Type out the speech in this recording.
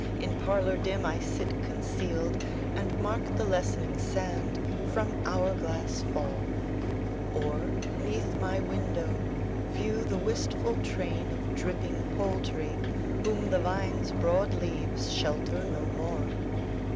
In parlour dim I sit concealed, And mark the lessening sand from hour glass fall; Or 'neath my window view the wistful train Of dripping poultry, whom the vine's broad leaves Shelter no more.